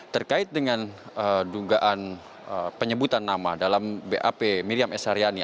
terkait dengan dugaan penyebutan nama dalam bap miriam s haryani